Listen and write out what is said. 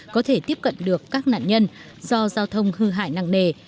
có thể tiếp cận được các nạn nhân do giao thông hư hại nặng nề